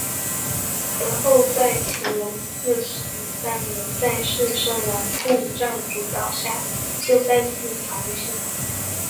而后在乾隆四十三年在士绅王拱照主导下又再次重修。